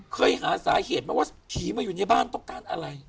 เคยหาสาเหตุไหมว่าผีมาอยู่ในบ้านต้องการอะไร